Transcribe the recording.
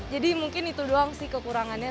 jadi mungkin itu doang sih kekurangannya